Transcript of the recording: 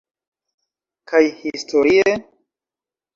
Kaj historie?